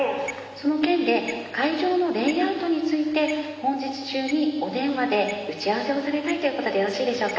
その件で会場のレイアウトについて本日中にお電話で打ち合わせをされたいということでよろしいでしょうか？